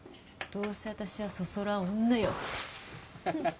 どうせ私はそそらん女よ」